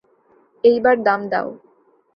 এইবার দাম দাও।